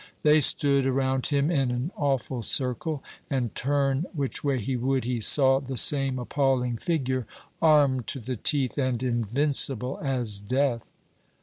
They stood around him in an awful circle, and turn which way he would, he saw the same appalling figure, armed to the teeth, and invincible as death.